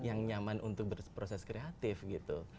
yang nyaman untuk berproses kreatif gitu